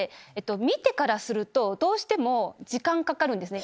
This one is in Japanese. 見てからするとどうしても時間かかるんですね。